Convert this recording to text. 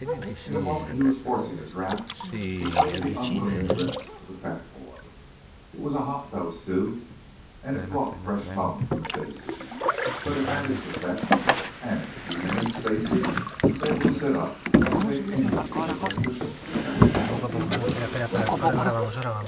In a moment he was forcing a draught between the unwilling lips of the fat boy. It was a hot dose, too, and it brought fresh moans from Stacy, but it had its effect, and in a few minutes Stacy was able to sit up and take interest in the breakfast that was now being served.